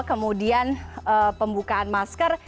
kemudian pembukaan masker